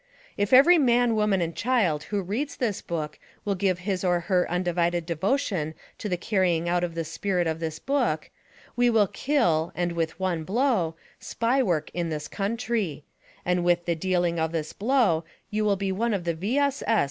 If every man, woman and child who reads this book will give his or her undivided devotion to the carrying out of the spirit of this book we will kill, and with one blow, Spy work in this country; and with the dealing of this blow you will be one of the V. S. S.